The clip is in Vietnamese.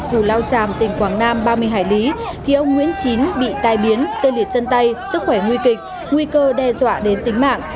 cù lao tràm tỉnh quảng nam ba mươi hải lý thì ông nguyễn chín bị tai biến tê liệt chân tay sức khỏe nguy kịch nguy cơ đe dọa đến tính mạng